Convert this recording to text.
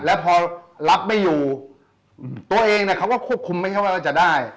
แล้วพอรับไม่อยู่ตัวเองเนี่ยเขาก็ควบคุมไม่ใช่ว่าเราจะได้